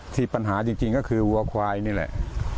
ที่ปัญหาจริงก็คือวัวควายนี่แหละ